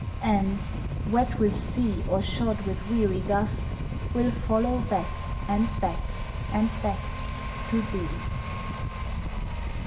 And, wet with sea or shod with weary dust, Will follow back and back and back to thee!